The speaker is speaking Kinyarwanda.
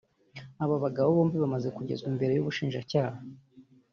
aba bagabo bombi bamaze kugezwa imbere y’ubushinjacyaha